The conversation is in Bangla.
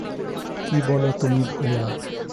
কী বল তুমি ভায়া।